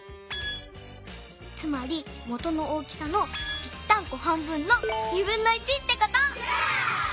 つまりもとの大きさのぴったんこ半分のってこと！